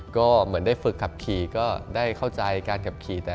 ก็เหมือนได้ฝึกขับขี่ก็ได้เข้าใจการขับขี่